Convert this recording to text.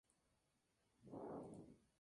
Común sobre corales hermatípicos.